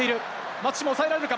松島、おさえられるか？